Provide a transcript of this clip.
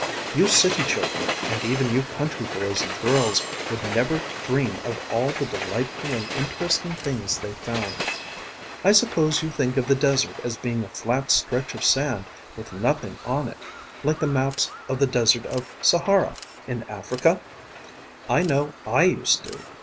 You city children and even you country boys and girls would never dream of all the delightful and interesting things they found. I suppose you think of the desert as being a flat stretch of sand with nothing on it, like the maps of the desert of Sahara, in Africa? I know I used to.